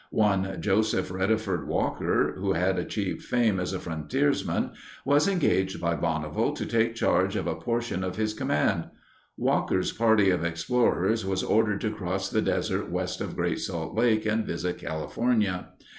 One Joseph Reddeford Walker, who had achieved fame as a frontiersman, was engaged by Bonneville to take charge of a portion of his command. Walker's party of explorers was ordered to cross the desert west of Great Salt Lake and visit California.